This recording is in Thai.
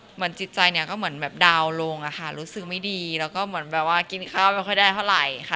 เหมือนจิตใจเนี่ยก็เหมือนแบบดาวน์ลงอะค่ะรู้สึกไม่ดีแล้วก็เหมือนแบบว่ากินข้าวไม่ค่อยได้เท่าไหร่ค่ะ